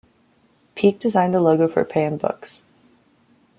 Peake designed the logo for Pan Books.